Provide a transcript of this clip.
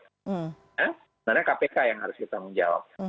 sebenarnya kpk yang harus bertanggung jawab